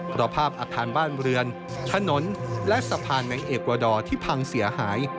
เพราะภาพอาคารบ้านเรือนถนนและสะพานแมงเอกวาดอร์ที่พังเสียหาย